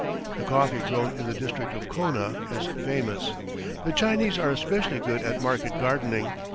The coffee grown in the district of Kona is famous. The Chinese are especially good at market gardening.